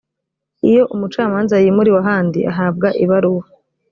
iyo umucamanza yimuriwe ahandi ahabwa ibaruwa